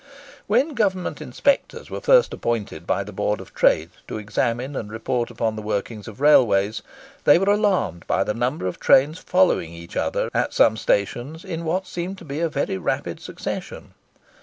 When Government inspectors were first appointed by the Board of Trade to examine and report upon the working of railways, they were alarmed by the number of trains following each other at some stations, in what then seemed to be a very rapid succession.